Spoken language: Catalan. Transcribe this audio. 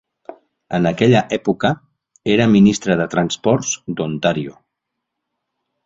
En aquella època, era ministre de transports d'Ontario.